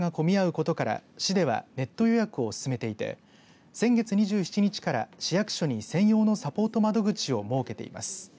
ことから市ではネット予約を薦めていて先月２７日から市役所に専用のサポート窓口を設けています。